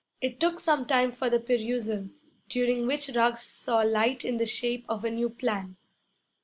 It took some time for the perusal, during which Ruggs saw light in the shape of a new plan.